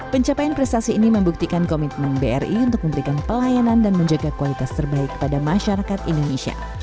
pencapaian prestasi ini membuktikan komitmen bri untuk memberikan pelayanan dan menjaga kualitas terbaik pada masyarakat indonesia